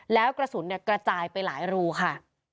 แล้วกระสุนกระจายไปหลายรูค่ะ